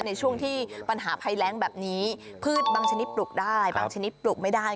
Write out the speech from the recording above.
ในช่วงที่ปัญหาภัยแรงแบบนี้พืชบางชนิดปลูกได้บางชนิดปลูกไม่ได้